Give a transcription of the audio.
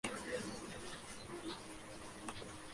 Militó en diversos clubes de Argentina, Chile y El Salvador.